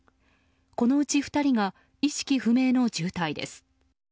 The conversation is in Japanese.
このうち２人が意識不明の重体です。